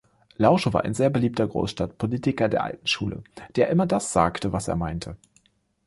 Lausche war ein sehr beliebter Großstadtpolitiker der alten Schule, der immer das sagte, was er meinte.